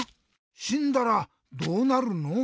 しんだらどうなるの？